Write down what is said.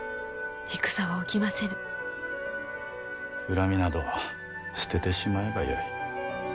恨みなど捨ててしまえばよい。